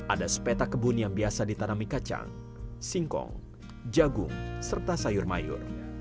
ada sepeta kebun yang biasa ditanami kacang singkong jagung serta sayur mayur